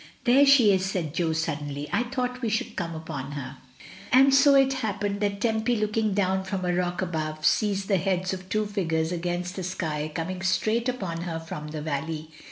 "There she is," said Jo, suddenly. "I thought we should come upon her." And so it happened, that Tempy, looking down from a rock above, sees the heads of two figures against the sky coming straight upon her from the valley.